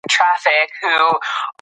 فرصتونه د معمول ژوند کې رامنځته کېږي.